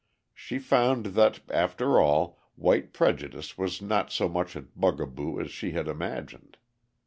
She found that, after all, white prejudice was not so much a bugaboo as she had imagined.